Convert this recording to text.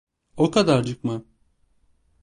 O kadarcık mı?